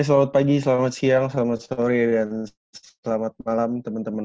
selamat pagi selamat siang selamat sore dan selamat malam teman teman